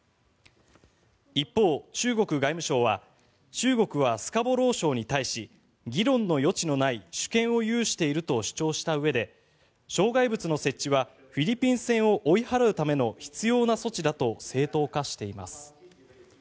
一方、中国外務省は中国はスカボロー礁に対し議論の余地のない主権を有していると主張したうえで障害物の設置はフィリピン船を追い払うための必要な措置だと正当化しています。